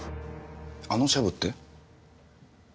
あのシャブって？